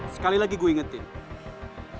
sekali lagi gue ingetin